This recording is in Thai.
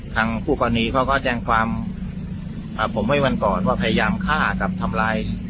คู่กรณีเขาก็แจ้งความผมไว้วันก่อนว่าพยายามฆ่ากับทำร้าย